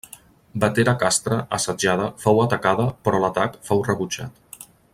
Vetera Castra, assetjada, fou atacada però l'atac fou rebutjat.